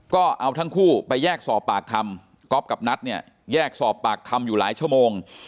ก็เอาทั้งคู่ไปแยกสอบปากคำก๊อฟกับนัทเนี่ยแยกสอบปากคำอยู่หลายชั่วโมง